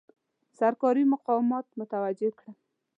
سرکاري مقامات متوجه کړم.